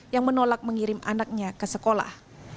yang menolak mengirim anaknya ke sekolah